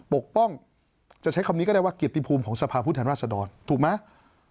ปกป้องจะใช้คำนี้ก็ได้ว่าเกียรติภูมิของสภาพผู้แทนราชดรถูกไหม